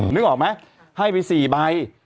นึกออกไหมให้ไป๔ใบ